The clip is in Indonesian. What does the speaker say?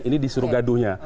ini disuruh gaduhnya